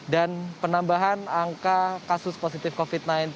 dan penambahan angka kasus positif covid sembilan belas